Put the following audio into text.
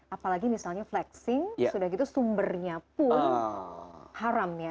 apalagi misalnya flexing sudah gitu sumbernya pun haram ya